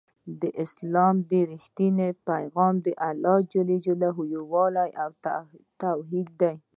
د اسلام رښتينی پيغام د الله يووالی او توحيد دی